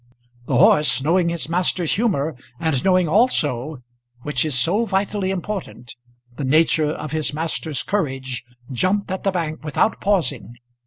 The horse knowing his master's humour, and knowing also, which is so vitally important, the nature of his master's courage, jumped at the bank, without pausing.